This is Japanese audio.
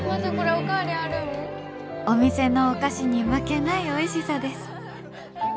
「お店のお菓子に負けないおいしさです」。